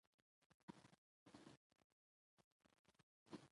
قانون د انصاف ساتونکی دی